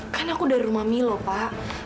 kan aku dari rumah milo pak